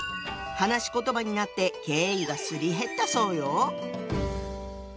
話し言葉になって敬意がすり減ったそうよ。